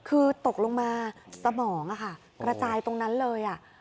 คือตกลงมาสมองอ่ะค่ะกระจายตรงนั้นเลยอ่ะ